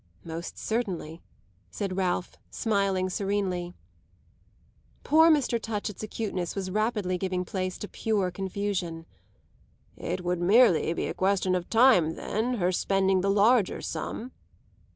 "Most certainly," said Ralph, smiling serenely. Poor Mr. Touchett's acuteness was rapidly giving place to pure confusion. "It would merely be a question of time then, her spending the larger sum?"